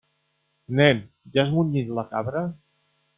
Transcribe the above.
Nen, ja has munyit la cabra?